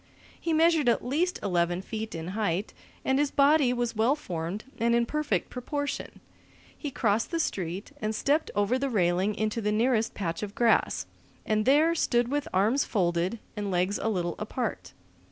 He measured at least eleven feet in height, and his body was well formed and in perfect proportion. He crossed the street and stepped over the railing into the nearest patch of grass, and there stood with arms folded and legs a little apart.